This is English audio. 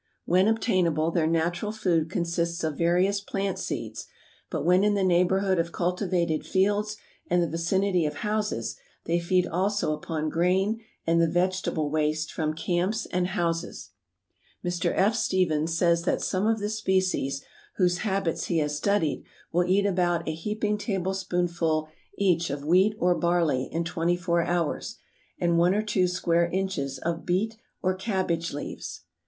When obtainable, their natural food consists of various plant seeds, but when in the neighborhood of cultivated fields and the vicinity of houses, they feed also upon grain and the vegetable waste from camps and houses. Mr. F. Stephens says that some of the species, whose habits he has studied, will eat about a heaping tablespoonful each of wheat or barley in twenty four hours and one or two square inches of beet or cabbage leaves."